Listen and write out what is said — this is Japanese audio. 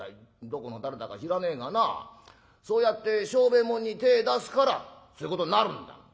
どこの誰だか知らねえがなそうやって商売物に手ぇ出すからそういうことになるんだ。